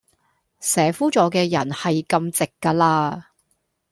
蛇夫座既人係咁直㗎啦